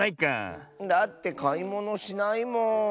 だってかいものしないもん。